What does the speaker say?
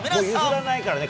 譲らないからね。